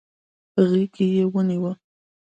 په غېږ کې يې ونيو.